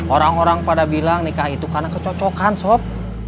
orang orang pada bilang nikah itu karena kecocokan sop